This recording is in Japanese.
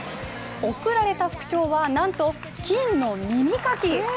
贈られた副賞はなんと、金の耳かき。